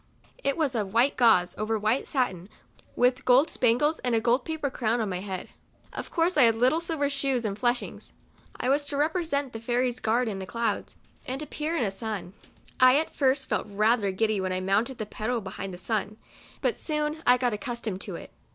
It was of white gauze, over white satin, with gold spangles, and a gold paper crown on my head. Of course I had little silver shoes and fleshings. I was to represent the Fairy's guard in the clouds, and to appear in a sun. I at first felt rather giddy when I mounted the pedal behind the sun, but I soon got accustomed to it.